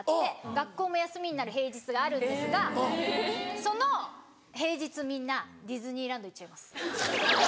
学校も休みになる平日があるんですがその平日みんなディズニーランド行っちゃいます。